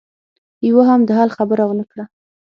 يوه هم د حل خبره ونه کړه.